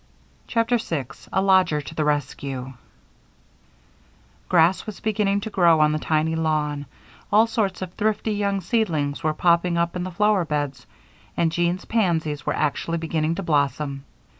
CHAPTER 6 A Lodger to the Rescue Grass was beginning to grow on the tiny lawn, all sorts of thrifty young seedlings were popping up in the flower beds, and Jean's pansies were actually beginning to blossom.